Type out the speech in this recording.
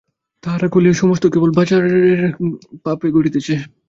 তাহারা কহিল, এ সমস্তই কেবল রাজার পাপে ঘটিতেছে।